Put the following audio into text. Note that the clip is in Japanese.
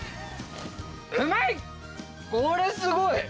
これすごい！